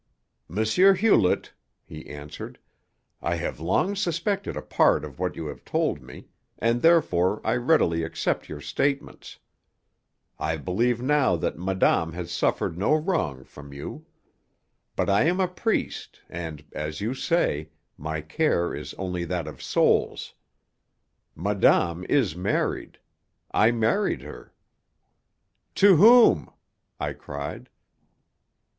"M. Hewlett," he answered, "I have long suspected a part of what you have told me, and therefore I readily accept your statements. I believe now that madame has suffered no wrong from you. But I am a priest, and, as you say, my care is only that of souls. Madame is married. I married her " "To whom?" I cried.